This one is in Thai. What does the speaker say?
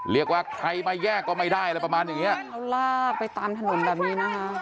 เรียกว่าใครมาแยกก็ไม่ได้อะไรประมาณอย่างเนี้ยเขาลากไปตามถนนแบบนี้นะคะ